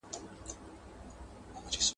د توپير وس نه درلودل